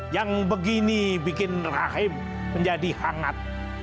yang begini bikin rahim menjadi hangat